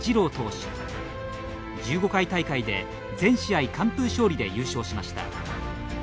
１５回大会で全試合完封勝利で優勝しました。